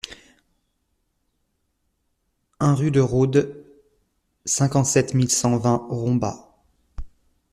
un rue de Rôde, cinquante-sept mille cent vingt Rombas